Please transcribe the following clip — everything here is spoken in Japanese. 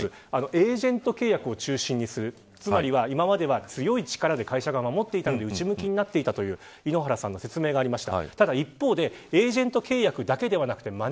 エージェント契約を中心にするつまりは今までは強い力で会社が守っていたので、内向きになっていたという説明が井ノ原さんからありました。